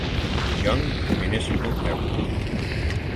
Young Municipal Airport.